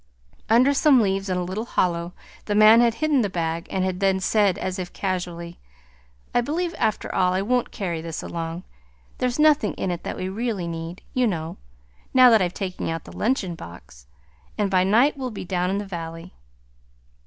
Under some leaves in a little hollow, the man had hidden the bag, and had then said, as if casually: "I believe, after all, I won't carry this along. There's nothing in it that we really need, you know, now that I've taken out the luncheon box, and by night we'll be down in the valley."